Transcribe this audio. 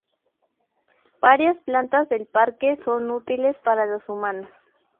Varias plantas del parque son útiles para los humanos.